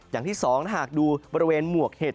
อย่างที่สองถ้าหากดูบริเวณหมวกเห็ด